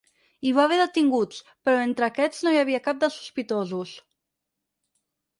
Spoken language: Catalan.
Hi va haver detinguts, però entre aquests no hi havia cap dels sospitosos.